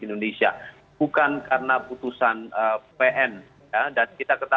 indonesia itu berdasarkan keputusan kpu republik indonesia itu berdasarkan keputusan kpu republik indonesia